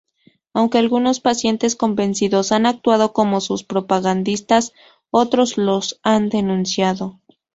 Aunque algunos pacientes convencidos han actuado como sus propagandistas, otros lo han denunciado.